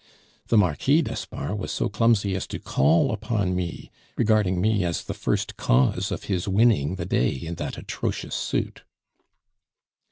The Marquis d'Espard was so clumsy as to call upon me, regarding me as the first cause of his winning the day in that atrocious suit."